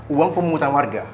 uang pemutang warga